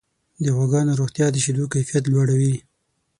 د غواګانو روغتیا د شیدو کیفیت لوړوي.